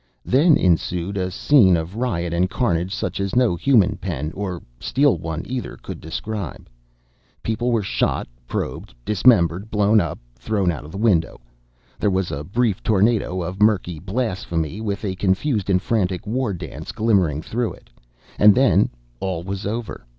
Then ensued a scene of riot and carnage such as no human pen, or steel one either, could describe. People were shot, probed, dismembered, blown up, thrown out of the window. There was a brief tornado of murky blasphemy, with a confused and frantic war dance glimmering through it, and then all was over.